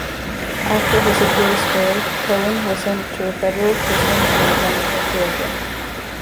After his appeals failed, Cohen was sent to a federal prison in Atlanta, Georgia.